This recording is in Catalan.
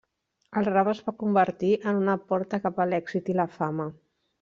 El rap es va convertir en una porta cap a l'èxit i la fama.